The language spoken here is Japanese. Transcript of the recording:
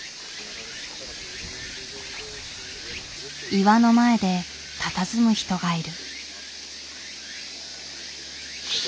岩の前でたたずむ人がいる。